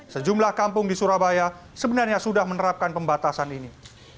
sejumlah kampung di surabaya sebenarnya sudah menerapkan pembatasan ini